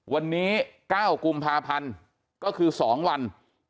วันนี้๙กุมภาพันธ์ก็คือ๒วัน